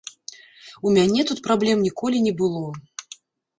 У мяне тут праблем ніколі не было.